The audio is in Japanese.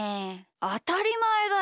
あたりまえだよ。